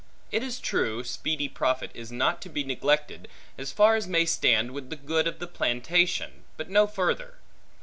It is true, speedy profit is not to be neglected, as far as may stand with the good of the plantation, but no further.